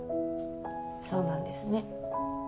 そうなんですね。